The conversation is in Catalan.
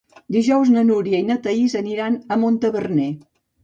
Dijous na Núria i na Thaís aniran a Montaverner.